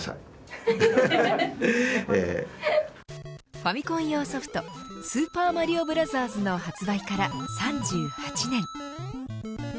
ファミコン用ソフトスーパーマリオブラザーズの発売から３８年。